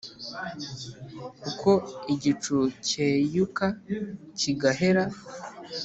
uko igicu cyeyuka kigahera,